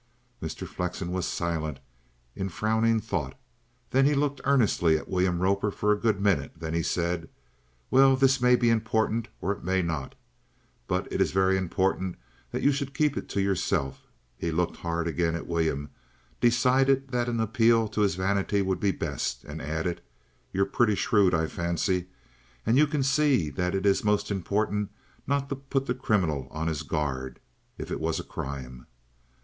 Mr. Flexen was silent in frowning thought; then he looked earnestly at William Roper for a good minute; then he said: "Well, this may be important, or it may not. But it is very important that you should keep it to yourself." He looked hard again at William, decided that an appeal to his vanity would be best, and added: "You're pretty shrewd, I fancy, and you can see that it is most important not to put the criminal on his guard if it was a crime."